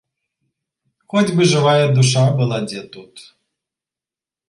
Хоць бы жывая душа была дзе тут!